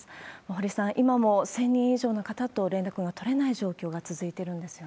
堀さん、今も１０００人以上の方と連絡が取れない状況が続いてるんですよ